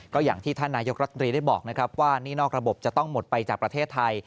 ก็อย่างที่ท่านนายกรัฐมนตรีได้บอกนะครับว่าหนี้นอกระบบจะต้องหมดไปจากประเทศไทย